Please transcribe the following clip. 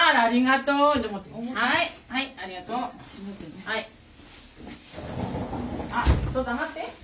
どうぞ上がって。